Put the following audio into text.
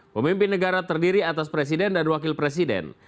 pemimpin negara terdiri atas presiden dan wakil presiden